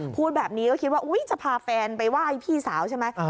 พูดแบบนี้ก็คิดว่าจะพาแฟนไปไหว้พี่สาวใช่ไหม